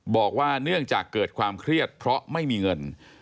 บอกว่าเนื่องจากเกิดความเครียดเพราะไม่มีเงิน